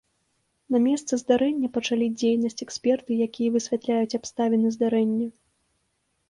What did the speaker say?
На месцы здарэння пачалі дзейнасць эксперты, якія высвятляюць абставіны здарэння.